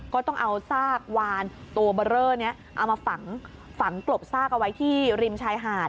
ก็ต้องเอาซากวานตัวเบอร์เรอนี้เอามาฝังกลบซากเอาไว้ที่ริมชายหาด